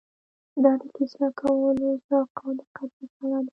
دا د کیسه لیکوالو ذوق او دقت مساله ده.